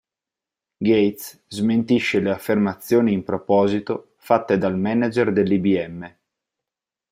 Gates smentisce le affermazioni in proposito fatte dal manager dell'IBM.